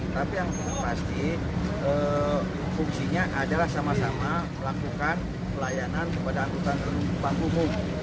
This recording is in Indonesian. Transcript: tapi yang pasti fungsinya adalah sama sama melakukan pelayanan kepada angkutan penumpang umum